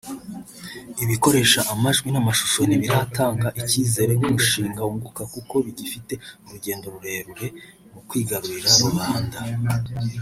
ibikoresha amajwi n’amashusho ntibiratanga icyizere nk’umushinga wunguka kuko bigifite urugendo rurerure mu kwigarurira rubanda